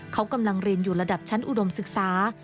เขากำลังเรียนอยู่ระดับชั้นอุดมศึกษา